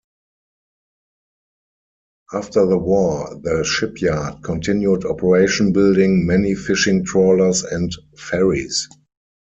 After the war the shipyard continued operation building many fishing trawlers and ferries.